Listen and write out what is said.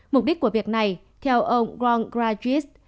mục đích của việc này theo ông ron gradius